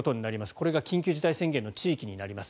これが緊急事態宣言の地域になります。